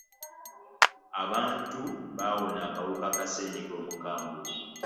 Abantu bawona akawuka ka ssenyiga omukambwe.